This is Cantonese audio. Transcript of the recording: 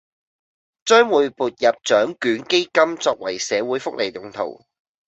將會撥入獎卷基金作為社會福利用途